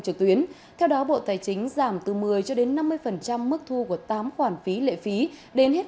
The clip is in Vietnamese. trực tuyến theo đó bộ tài chính giảm từ một mươi cho đến năm mươi mức thu của tám khoản phí lệ phí đến hết